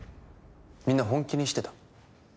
みんな本気にしてた？